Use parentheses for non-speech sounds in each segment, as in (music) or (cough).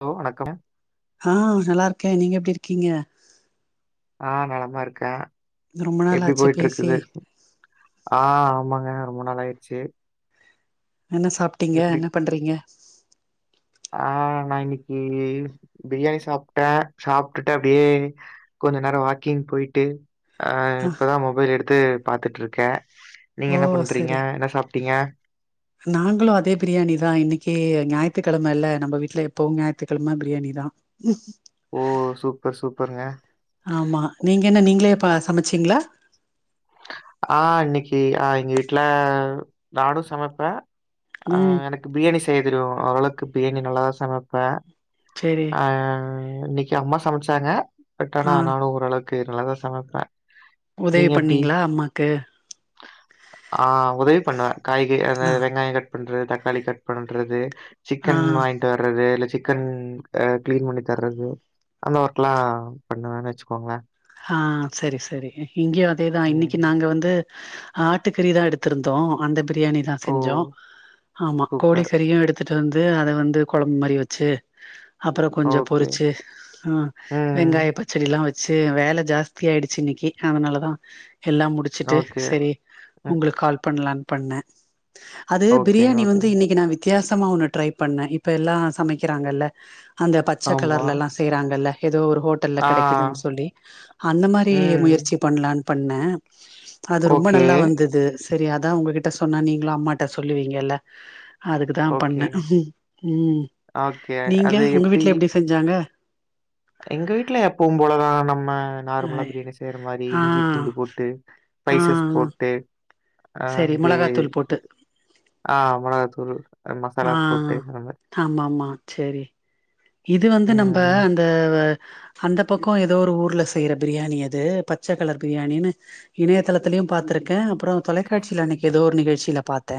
Hello வணக்கம் ஆஹ் நல்லா இருக்கே நீங்க எப்டி இருக்கீங்க ஆ நலமா இருக்கே ரொம்ப நாள் எப்டி ஆச்சு பேசி போயிட்ருக்குது ஆஹ் ஆமாங்க ரொம்ப நாள் ஆயிடுச்சு என்ன சாப்ட்டீங்க என்ன பண்றீங்க ஆ நா இன்னிக்கி பிரியாணி சாப்ட்டே சாப்டுட்டு அப்டியே கொஞ்ச நேரோ வாக்கிங் போயிட்டு ஆஹ் ஆ இப்பதா மொபைல் எடுத்து பாத்துட்ருக்கே நீங்க ஓ என்ன பண்றீங்க சரி என்ன சாப்ட்டீங்க நாங்களு அதே பிரியாணி தா இன்னிக்கி ஞாயித்துக்கெழம இல்ல நம்ப வீ்ட்ல எப்போவு ஞாயித்துக்கெழம பிரியாணி தா ஓ சூப்பர் சூப்பருங்க ஆமா நீங்க என்ன நீங்களே இப்ப சமைச்சீங்களா ஆ இன்னிக்கி ஆ எங்க வீட்ல நானு சமைப்ப ஆ ம் எனக் பிரியாணி செய்ய தெரியு ஓரளவுக்கு பிரியாணி நல்லாதா சமைப்ப செரி ஆ இன்னிக்கி அம்மா சமச்சாங்க பட் ஆ ஆனா நானு ஓரளவுக்கு நல்லாதா சமைப்ப உதவி பண்ணீங்களா அம்மாக்கு ஆ உதவி பண்ணே காய்கறி அந்த ஆ வெங்காயோ கட் பண்றது தக்காளி கட் பண்றது ஆ சிக்கன் வாங்கிட்டு வர்றது இல்ல சிக்கன் அ க்ளீன் பண்ணி தர்றது அந்த ஒர்க்லா பண்ணுவன்னு வச்சுக்கோங்களே ஆ சரி சரி இங்கேயு அதேதா இன்னிக்கி ம். நாங்க வந்து ஆட்டு கறிதா எடுத்திருந்தோ அந்த பிரியானி தா ஓ! செஞ்சோ ஆமா சூப்பர். கோழிக்கறியு எடுத் எடுத்துட்டு வந்து அத வந்து கொழம்பு மாறி வச்சு அப்றோ கொஞ்சோ ஓகே. பொரிச்சு ம். வெங்காயோ பச்சடிலா வெச்சு வேல ஜாஸ்தியாயிடுச்சு இன்னிக்கி அதனாலதா எல்லா முடிச்சுட்டு ஓகே. செரி ம். உங்குளுக்கு கால் பண்லானு பண்ண அது ஓகேங்க, பிரியாணி வந்து ஓகேங்க. இன்னிக்கி நா வி வித்தியாசமா ஒண்ணு ட்ரை பண்ண இப்ப எல்லா சமைக்கிறாங்கல அந்த பச்ச ஆமா. கலர்லலா செய்றாங்கல எதோ ஒரு ஹோட்டல்ல ஆ. கெடைக்குதுனு சொல்லி அந்த மாரி ம். முயற்சி பண்லானு பண்ண அது ரொம்ப ஓகே. நல்லா வந்தது சரி அதா உங்ககிட்ட சொன்னா நீங்களு அம்மாட்ட சொல்லுவீங்கல அதுக்கு தா ஓகே. பண்ண ம் ஓகே. நீங்க அது உங்க வீட்ல எப்டி செஞ்சாங்க எங்க வீட்ல எப்போவு போல தா நம்ம ஆ நார்மலா பிரியாணி செய்ற மாரி ஆ இஞ்சி பூண்டு போட்டு ஆ ஸ்பைசஸ் ஆ போட்டு சரி அப்டியே மொளகாத்தூள் போட்டு ஆ மொளகாத்தூளு ஆ மசாலாஸ் போட்டு நம்ம ஆமா ஆமா சரி இது வந்து நம்ப து அந்த பக்கோ ஏதோ ஒரு ஊர்ல செய்ற பிரியாணி அது பச்சை கலர் பிரியாணினு இணையதளத்திலயு பாத்திருக்கே அப்றோ தொலைக்காட்சியில அன்னக்கி ஏதோ ஒரு நிகழ்ச்சில பாத்தே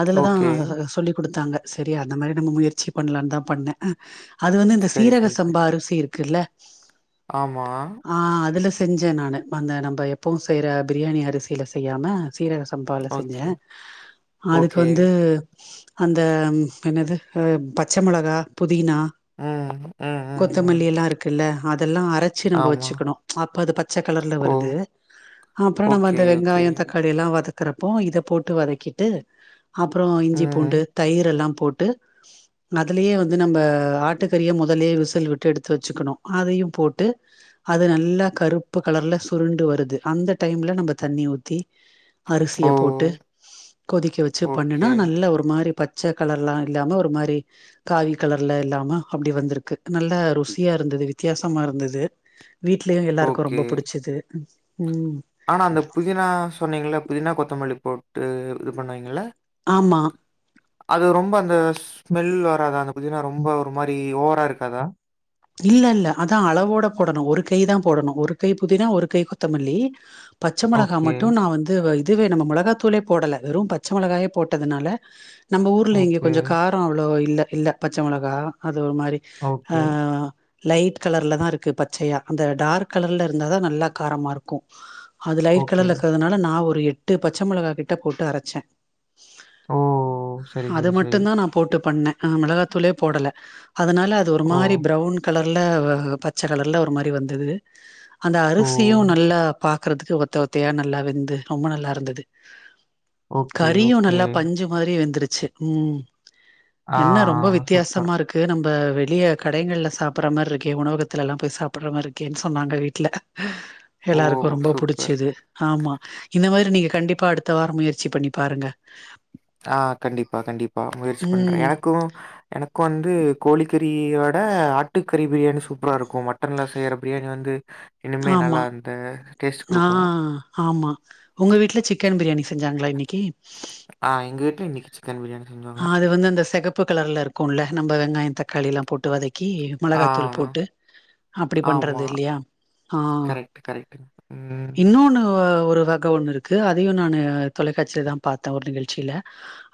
அதுலதா ஓகே. சொல்லிக் குடுத்தாங்க சரி அந்த மாறி நம்ப முயற்சி பண்லான்னு தா பண்ண அது வந்து இந்த சரி, சீரக சரி, சரி. சம்பா அரிசி இருக்குல்ல ஆமா ஆ அதுல செஞ்சே நானு அந்த நம்ப எப்பவும் செய்ற பிரியாணி அரிசில செய்யாம சீரக சம்பால செஞ்சே ஓகே, அதுக்கு ஓகே. வந்து அந்த என்னது‌ பச்ச மிளகா புதினா ம், ம், ம், ம். கொத்தமல்லி எல்லா இருக்குல்ல அதெல்லா அரை ச்சி நம்ப ஆமா. வச்சிக்கணு அப்ப அது பச்சை கலர்ல ஓ! வருது அப்றோ நம்ப ஓகே, அந்த ஓகே. வெங்காயோ தக் காளி எல்லா வதக்குறப்போ இத போட்டு வதக்கிட்டு அப்றோ இஞ்சி ம். பூண்டு தயிரு எல்லா போட்டு அதுலயே வந் து நம்ப ஆட்டுக்கறிய மொதல்லயே விசில் விட்டு எடுத்து வச்சுக்கணு அதையு போட்டு அது நல்லா கருப்பு கலர்ல சுருண்டு வருது அந்த டைம்ல நம்ப தண்ணி ஊத்தி அரிசிய ஓ! போட்டு கொதிக்க வச்சு ஓகே, பண்ணுனா நல்ல ஒரு மாறி பச் ச கலர்லா இல்லாம ஒரு மாறி காவி கலர்ல இல்லாம அப்டி வந்துருக்கு நல்லா ருசியா இருந்தது வித்தியாசமா இருந்தது வீட்லயு எல்லாருக்கும் ஓகே. ரொம்ப புடிச்சது ம் ஆனா அந்த புதினா சொன்னீங்கல்ல புதினா கொத்தமல்லி போட்டு இது பண்ணுவீங்கல்ல. ஆமா அது ரொம்ப அந்த ஸ்மெல் வராதா அந்த புதினா ரொம்ப ஒரு மாறி ஓவரா இருக்காதா இல்ல இல்ல அத்தா அளவோட போடணும் ஒரு கை தா போடணும் ஒரு கை புதினா ஒரு கை கொத்தமல்லி பச்ச மொளகா ஓகே, மட்டு நா வந்து இதுவே நம்ப மொளகா தூளே போடல வெறும் பச்ச மொளகாயே போட்டதுனால நம்ப ஊர்ல இங்க ஓகே, கொஞ்சோ கார ம் அவ்வளோவா இல்ல இல்ல பச்ச மொளகா அது ஒரு மாறி ஆ ஓகே, லைட் கலர்ல தா இருக்கு பச்சையா அந்த டார்க் கலர்ல இருந்தா தா நல்லா காரமா இருக்கும் அது லைட் ஓகே. கலர்ல இருக்கறதுனால நா ஒரு எட்டு பச்சை மிளகா கிட்ட போட்டு அரைச்சே ஓ! சரி, அது சரி, சரி. மட்டுந்தா நா போட்டு பண்ணே நா மிளகாத்தூளே போடல அதனால அது ஒரு ஓ! மாறி ப்ரௌன் கலர்ல பச்ச கலர்ல ஒரு மாறி வந்தது அந்த ஓ! அரிசியு நல்லா பாக்குறதுக்கு ஒத்த ஒத்தயா நல்லா வெந்து ரொம்ப நல்லா இருந்தது ஓகே, கறியு ஓகே. நல்லா பஞ்சு மாரி வெந்துருச்சு உம் ஆ, என்ன ரொம்ப சூப்பர். வித்தியாசமா இருக்கு நம்ப வெளிய கடைங்கள்ல சாப் சாப்புற மார்ருக்கே உணவகத்துல எல்லா போய் சாப்டற மாரி இருக்கேன் சொன்னாங்க வீட்ல ஓ! எல்லாருக்கு ரொம்ப சூப்பர். புடிச்சிது ஆமா இந்த மாரி நீங்க கண்டிப்பா அடுத்த வார முயற்சி பண்ணி பாருங்க ஆ கண்டிப்பா கண்டிப்பா முயற்சி பண்றே ம் எனக்கு எனக்கு வந்து கோழிக்கறியோட ஆட்டுக்கறி பிரியாணி சூப்பரா இருக்கு மட்டன்ல செய்யற பிரியாணி வந்து டி ஆமா நா ஆமா உங்க வீட்ல சிக்கன் பிரியாணி செஞ்சாங்களா இன்னிக்கி ஆ எங்க கிட்ட இன்னிக்கி சிக்கன் பிரியாணி செஞ்சோ ஆ அது வந்து அந்த செகப்பு கலர்ல இருக்குல்ல நம்ம வெங்காயம் தக்காளி எல்லா போட்டு வதக்கி ஆ, மொளகாத்தூள் போட்டு அப்டி பண்றது ஆமா. இல்லையா ஆ கரெக்ட், கரெக்ட்டுங்க. ம். இன்னொன்னு ஒரு க ஒண்ணு இருக்கு அதையு நானு தொலைக்காட்சியில தா பாத்தேன் ஒரு நிகழ்ச்சியில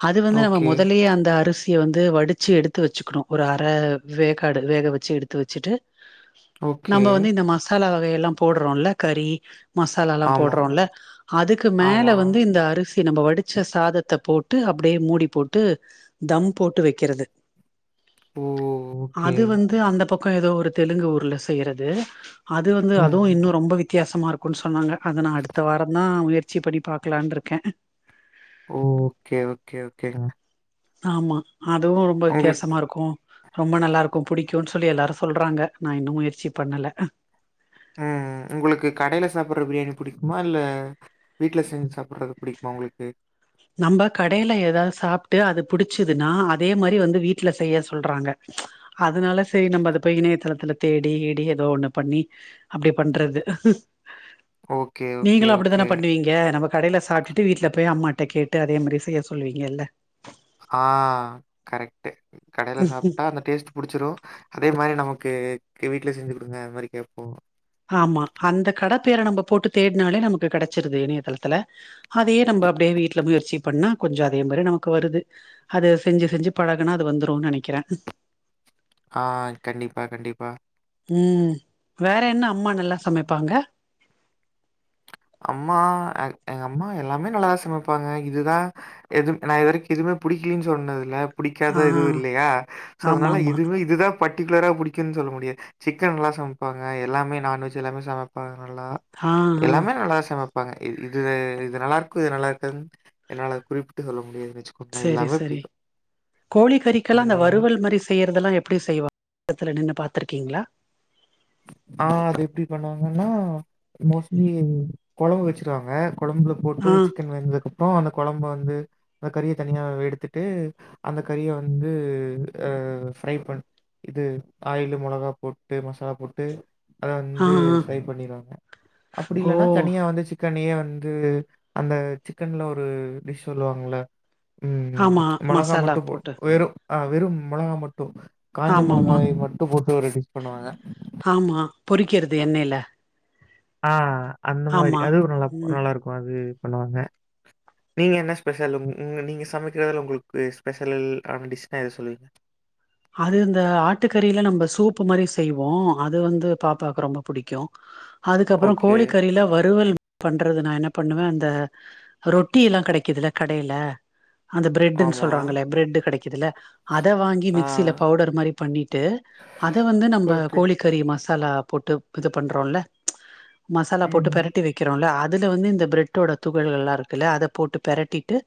அது வந்து நம்ம ஓகே, அப்டியே அந்த அரிசிய வந்து வடிச்சு எடுத்து வெச்சுக்கணு ஒரு அர வேக்காடு வேக வெச்சு எடுத்து வெச்சுட்டு ஓகே. நாம்ப வந்து இந்த மசாலா வகையெல்லா போட்றோல்ல கறி மசாலல்லா ஆமா, போடுறோல்ல அதுக்கு ஆமா. மேல வந்து இந்த அரிசி நம்ம வடிச்ச சாதத்த போட்டு அப்டியே மூடி போட்டு தம் போட்டு வெக்கிறது ஓ! ஓகே. அது வந்து அந்த பக்கோ ஏதோ ஒரு தெலுங்கு ஊர்ல செய்றது அது வந்து அதுவு ம்ஹ்ம். இன்னு ரொம்ப வித்தியாசமா இருக் குன் சொன்னாங்க அத நா அடுத்த வார தா முயற்சி பண்ணி பாக்கலான்ட்ருக்கே ஓ ஓகே ஓகே ஓகேங்க ஆமா அதுவு ரொம்ப உங்களுக்கு வித்தியாசமா இருக்கு ரொம்ப நல்லா இருக்கு பிடிக்கும்ன் சொல்லி எல்லாரும் சொல்றாங்க நான் இன்னு முயற்சி பண்ணல ம் உங்குளுக்கு கடையில சாப்ற பிரியாணி புடிக்குமா இல்ல வீட்டில செஞ்சு சாப்புட்றது பிடிக்குமா உங்குளுக்கு (inaudible) நம்ப கடையில ஏதாவது சாப்ட்டு அது புடிச்சிதுன்னா அதே மாரி வந்து வீட்ல செய்ய சொல்றாங்க அதனால செரி நம்ம அத போய் இணையதளத்துல தேடி கீடி ஏதோ ஒண்ணு பண்ணி அப்டி பண்றது ஓகே, ஓகே, நீங்களு ஓகே. அப்டித்தானே பண்ணுவீங் க நம்ம கடைல சாப்ட்டுட்டு வீட்டுல போய் அம்மாட்ட கேட்டு அதே மாரி செய்ய சொல்லுவீங்கல்ல ஆ கரெக்ட்டு கடைல சாப்ட்டா அந்த டேஸ்ட் புடிச்சிரு அதே மாரி நமக்கு வீட்ல செஞ்சு குடுங்க அந்த மாரி கேட்போ ஆமா அந்த கடப்பேர நம்ம போட்டு தேட்னாலே நமக்கு கெடைச்சிருது இணையதளத்துல அதையே நம்ப அப்டியே வீட்ல முயற்சி பண்ணா கொஞ்ச அதே மாரி நமக்கு வருது அது செஞ்சு செஞ்சு பழகுனா அது வந்துருன் நெனைக்கிறே ஆ கண்டிப்பா கண்டிப்பா உம் வேற என்ன அம்மா நல்லா சமைப்பாங்க அம்மா எங்க அம்மா எல்லாமே நல்லாதா சமைப்பாங்க இதுதா எதும் நா இதுவரைக்கு எதுமே புடிக்கிலின் சொன்னதில்ல ஆ புடிக்காதது எதுவு இல்லையா சோ ஆமா அதனால ஆமா இதுவு இதுதா பர்ட்டிகுலரா புடிக்குன் சொல்ல முடியாத் சிக்கன்ல்லா சமைப்பாங்க எல்லாமே நான்வெஜ் எல்லாமே சமைப்பாங்க நல்லா ஆ ஆ எல்லாமே நல்லா சமைப்பாங்க இது இது நல்லா இருக்கு இது நல்லா இருக்காதுன்ட் என்னால குறிப்பிட்டு சொல்ல முடியாதுன் வெச் செரி செரி கோழி கறிக்கெல்லா அந்த ம். வறுவல் மாரி செய்யறதெல்லா எப்டி செய்வா பக்கத்துல நின்னு பாத்துருக்கீங்களா ஆ அது எப்டி பண்ணுவாங்கன்னா மோஸ்ட்லி கொழம்பு வச்சிருவாங்க கொழம்புல போட்டு ஆ சிக்கன் வெந்ததுக்கு அப் றோ அந்த கொழம்ப வந்து அந்த கறியை தனியா எடுத்துட்டு அந்த கறியை வந்து அ ஃப்ரை பண் இது ஆயிலு மொளகா போட்டு மசாலா போட் ட்டு அத ஆ வந்து ஆ ஃப்ரை பண்ணிருவாங்க அப்பிடி ஓ இல்லன்னா தனியா வந்து சிக் கனயே வந்து அந்த சிக்கன்ல ஒரு டிஷ் சொல்லுவாங்கில்ல உம் உம் ஆமா மிளகா மசாலா மட்டு போ போட்டு வெறும் ஆ வெறும் மொளகா மட்டு. காஞ்ச ஆமாமா மொளகாவை மட்டும் போட்டு ஒரு டிஷ் பண்ணுவாங்க ஆமா பொறிக்கிறது எண்ணெல ஆ அந்த மாரி அது ஒர் நல்லா இருக் ம் நல்லா இருக்கு அது பண்ணுவாங்க நீங்க என்ன ஸ்பெஷல் உங் உங்க நீங்க சமைக்கிறதுதல உங்குளுக்கு ஸ்பெசலல் ஆன டிஷ்னா எத சொல்லுவீங்க அது இந்த ஆட்டுக்கறில நம்ப சூப்பு மாரி செய்வோ அது வந்து பாப்பாக்கு ரொம்ப புடிக்கு அதுக்கப்றோ ஓகே. கோழிக்கறில வறுவல் பண்றது நா என்ன பண்ணுவே அந்த ரொட்டி எல்லா கெடைக்குதுல்ல கடையில அந்த பிரெட்டுன்னு ஆமா. சொல்றாங்க இல்ல பிரெட்டு கிடைக்குதுல்ல அத வாங்கி ஆ. மி சில பவுடர் மாறி பண்ணிட்டு அத வந்து நம்ப ஓகே. கோழி கறி மசாலா போட்டு இது பண்றோல்ல மசாலா போட்டு பெரட் ம். பெரட்டி வைக்கிறோல்ல அதுல வந்து இந்த பிரெட்டோட துகள்கள் எல்லா இருக்குல்ல அத போட்டு பெரட்டிட்டு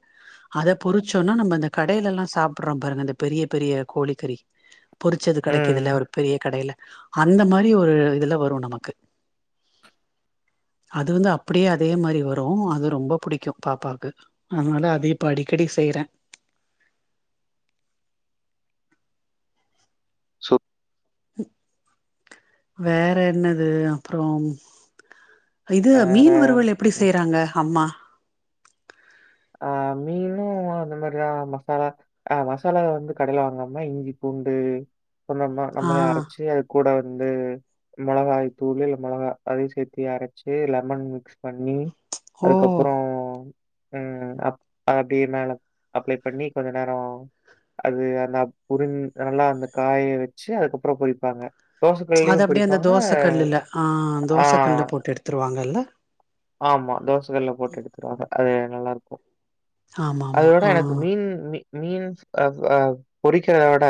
அத பொறிச்சோன்னா நம்ம இந்த கடையில எல்லா சாப்பிட்றோ பாருங்க இந்த பெரிய பெரிய கோழிக்கறி பொரிச்சது ம். கெடைக்குதுல்ல ஒரு பெரிய கடையில அந்த மாறி ஒரு இதுல வரும் நமக்கு அது வந்து அப்படியே அதே மாறி வரும் அது ரொம்ப புடிக்கும் பாப்பாக்கு அதனால அத இப்ப அடிக்கடி செய்றே சூ வேற என்னது அப்புறோம் இது வேற மீன் வறுவல் எப்டி ம். செய்றாங்க அம்மா ஆ மீனு இப்பவு அந்த மாறிதா மசாலா ஆ மசாலா வந்து கடையில வாங்காம இஞ்சி பூண்டு சொந்தமா ஆ நம்பளே அரைச்சி அது கூட வந்து மிளகாய் தூளு இல்ல மிளகா அதையு சேத்தி அரைச்சி லெமன் மிக்ஸ் பண்ணி ஓ அதுக்கப்றோ உம் அப் அப்டியே மேல அப்ளை பண்ணி கொஞ்ச நேரோ அது அந்த புரிந் நல்லா அந்த காய வச்சு அதுக்கப்றோ பொரிப்பாங்க அத தோசைக்கல்லுலயும் அப்படியே அந்த பொரிப்பாங்க. தோச கல்லுல ஆ ஆ தோச கல்லுல போட்டு எடுத்துருவாங்கில்ல ஆமா தோச கல்லுல போட்டு எடுத்துருவாங்க அது நல்லா இருக்கும் ஆமா ஆமா அதோட எனக்கு ஆ மீன் மீ மீன்ஸ் அ அ பொரிக்கிறத விட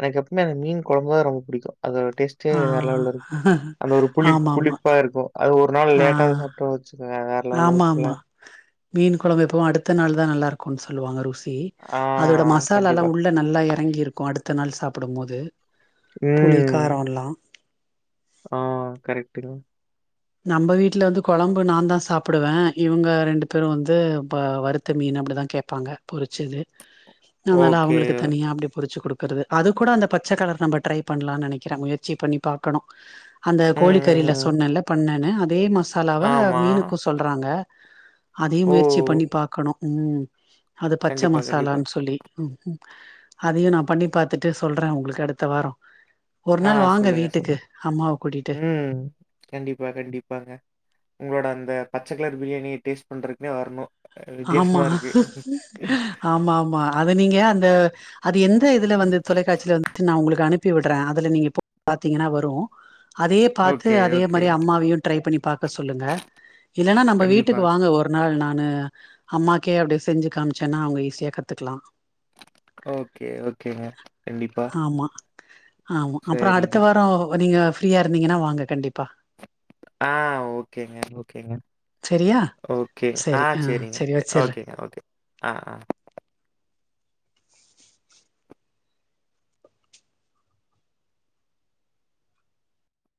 எனக்கு எப்பவுமே அந்த மீன் கொழம்புதா ரொம்ப புடிக்கும் அதோட டேஸ்ட் டே ஆ வேற லெவல்ல இருக்கும் அந்த ஒரு புளிப் ஆமா ஆமா புளிப்பா இருக்கும் அது ஒரு நாள் ஆ லேட்டா சாப்ட்டோன்னு வச்சுக்கோங்க வேற லெவல்ல ஆமா இருக்கும்ல. ஆமா மீன் கொழம்பு எப்பவு அடுத்த நாள் தா நல்லா இருக்கும்ன்னு சொல்லுவாங்க ருசி பி ஆ அதோட மசாலால்லா கண்டிப்பா. உள்ள நல்லா இறங்கி இருக்கும் அடுத்த நாள் சாப்புடும் போது புளிக் ம். காரோ எல்லா ஆ கரெட்டுங்க நம்ப வீட்ல வந்து கொழம்பு நாந்தா சப்பிடுவ இவங்க ரெண்டு பேரும் வந்து வருத்த மீனு அப்பிடிதா கேப் பாங்க பொரிச்சது அதனால ஓகே. அவங்களுக்கு தனியா அப்டி பொரிச்சு குடுப் க்கறது அது கூட அந்த பச்சக்கலர் நம்ப ட்ரை பண்லான்னு நெனைக்கிறே முயற்சி பண்ணி பாக்கணும் அந்த ம், கோழிக்கறில ம், ம். சொன்னேல்ல பண்ணன்னு அதே மசாலாவ ஆமா. மீனுக்கு சொல்றாங்க அதையு ஓ! முயற்சி பண்ணி பாக்கணு ம் அது பச்ச கண்டிப்பா, கண்டிப்பா. மசாலானு சொல்லி ம் ம் அதையு நா பண்ணி பாத்துட்டு சொல்ற உங்களுக்கு அடுத்த வாரோ ஒரு ஆ நாள் வாங்க சொல்லுங்க, வீட்டுக்கு சொல்லுங்க. அம்மாவ கூட்டிட்டு ம் கண்டிப்பா கண்டிப்பாங்க உங்களோட அந்த பச்சக்கலர் பிரியாணிய டேஸ்ட் பண்றதுக்குனே வரணு ஆமா ஆமா ஆமா அது நீங்க அந்த அது எந்த இதுல வந்து தொலைக்காட்சியில வந்துச்சுன்னு நா உங்களுக்கு அனுப் பி விட்ற அதுல நீங்க போய் பாத்தீங்கன்னா வரு அதே பாத்து ஓகே, அதே ஓகே. மாரி அம்மாவையு டிரை பண்ணி பாக்க சொல்லுங்க இல்லன்னா நம்ம கண்டிப்பா. வீட்டுக்கு வாங்க ஒரு நாள் நானு அம்மாக்கே அப்டி செஞ்சு காமிச்சேன்னா அவங்க ஈஸியா கத்துக்கலா ஓகே ஓகேங்க கண்டிப்பா ஆமா ஆமா அப்றோ சரிங்க. அடுத்த வாரோ நீங்க ஃப்ரீயா இருந்தீங்கன்னா வாங்க கண்டிப்பா ஆ ஓகேங்க ஓகேங்க சரியா ஓகே ஆ சரி சேரிங்க சரி வச்சிட்றே ஓகேங்க ஓகே ஆ ஆ